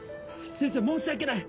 先生申し訳ない！